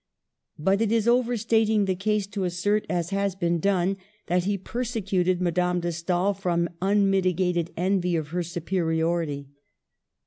But it is overstating the case to assert, as has been done, that he persecuted Madame de Stael from unmitigated envy of her 'superiority.